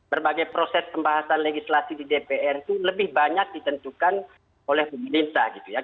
berbagai proses pembahasan legislasi di dpr itu lebih banyak ditentukan oleh pemerintah gitu ya